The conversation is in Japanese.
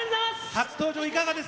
初登場いかがですか？